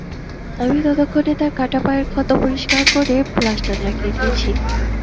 আমি ততক্ষণে তাঁর কাটা পায়ের ক্ষত পরিষ্কার করে প্লাস্টার লাগিয়ে দিয়েছি।